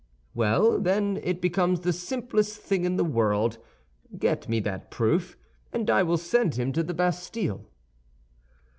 "Well, then, it becomes the simplest thing in the world; get me that proof, and I will send him to the Bastille."